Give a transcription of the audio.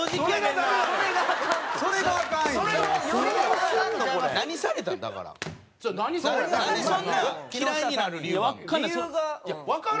なんでそんな嫌いになる理由あるの？